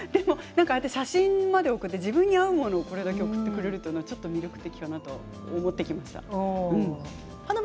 写真まで送って自分に合うものをこれだけ送ってもらえるのは魅力的だなと思ってきました。